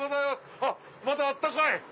あっまだあったかい。